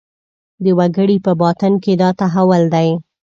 د وګړي په باطن کې دا تحول دی.